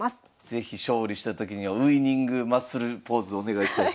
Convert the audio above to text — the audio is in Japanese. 是非勝利したときにはウイニングマッスルポーズをお願いしようと思います。